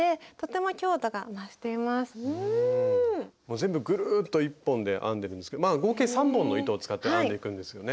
全部ぐるっと１本で編んでるんですけどまあ合計３本の糸を使って編んでいくんですよね。